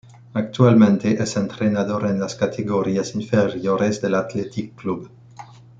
Actualmente, es entrenador en las categorías inferiores del Athletic Club.